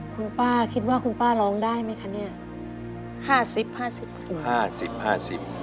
คุณป้าคิดว่าคุณป้าร้องได้ไหมคะเนี่ย